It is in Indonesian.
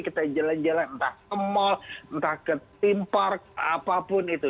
kita jalan jalan entah ke mall entah ke team park apapun itu